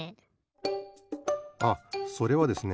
あそれはですね